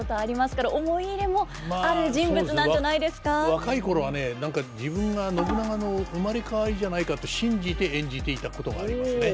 若い頃はね何か自分が信長の生まれ変わりじゃないかと信じて演じていたことがありますね。